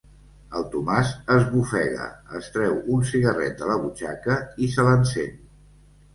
El Tomàs esbufega, es treu un cigarret de la butxaca i se l'encén.